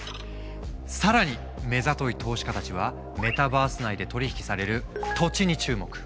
更に目ざとい投資家たちはメタバース内で取り引きされる土地に注目。